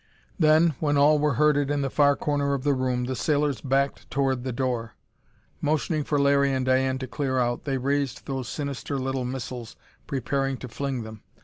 Then, when all were herded in the far corner of the room, the sailors backed toward the door. Motioning for Larry and Diane to clear out, they raised those sinister little missiles, prepared to fling them.